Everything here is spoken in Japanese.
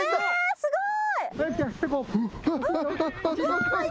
すごい！